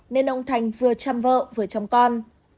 nên ông thành vừa chăm vợ vừa chăm con